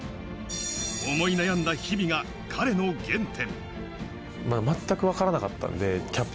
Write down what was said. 思い悩んだ日々が彼の原点。